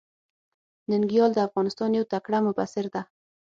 ننګيال د افغانستان يو تکړه مبصر ده.